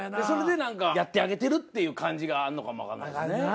それで何かやってあげてるっていう感じがあんのかもわかんないですね。